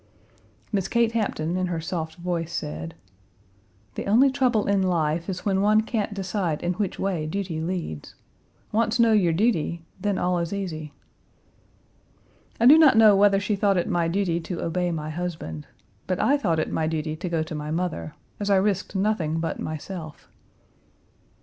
Miss Kate Hampton, in her soft voice, said: "The only trouble in life is when one can't decide in which way duty leads. Once know your duty, then all is easy." I do not know whether she thought it my duty to obey my husband. But I thought it my duty to go to my mother, as I risked nothing but myself.